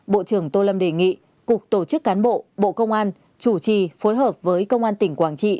bộ trưởng tô lâm đề nghị cục tổ chức cán bộ bộ công an chủ trì phối hợp với công an tỉnh quảng trị